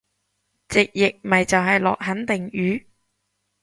直譯咪就係落肯定雨？